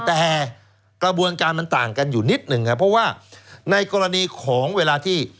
แต่กระบวนการมันต่างกันอยู่นิดหนึ่งครับเพราะว่าในกรณีของเวลาที่